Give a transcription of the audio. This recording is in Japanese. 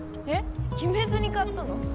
えっ決めずに買ったの？